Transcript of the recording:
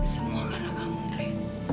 semua karena kamu neri